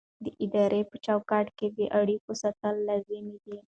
د ادارې په چوکاټ کې د اړیکو ساتل لازمي دي.